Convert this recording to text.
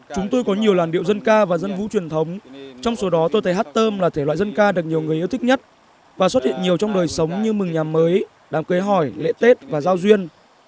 chúng tôi có nhiều làn điệu dân ca và dân vũ truyền thống trong số đó tôi thấy hát tôm là thể loại dân ca được nhiều người yêu thích nhất và xuất hiện nhiều trong đời sống như mừng nhà mới đám cưới hỏi lễ tết và giao duyên